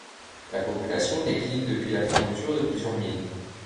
La population décline depuis la fermeture de plusieurs mines.